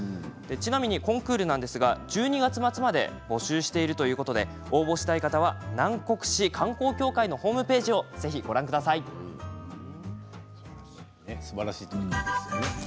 ちなみにコンクールは１２月末まで募集しているということで応募したい方は南国市観光協会のホームページをすばらしい取り組みですね。